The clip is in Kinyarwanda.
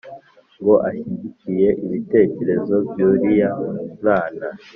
ngo ashyigikiye ibitekerezo byuriya mwana